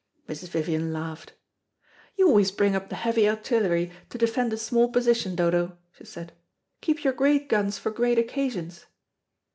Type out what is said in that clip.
Mrs. Vivian laughed. "You always bring up the heavy artillery to defend a small position, Dodo," she said. "Keep your great guns for great occasions."